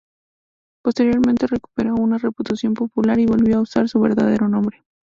Posteriormente recuperó una reputación popular y volvió a usar su verdadero nombre.